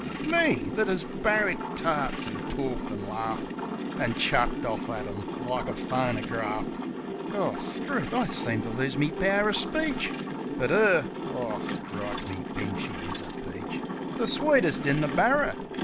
Me! that 'as barracked tarts, an' torked an' larft. An' chucked orf at 'em like a phonergraft ! Gorstrooth! I seemed to lose me pow'r o' speech. But, 'er! Oh, strike me pink! She is a peach! The sweetest in the barrer!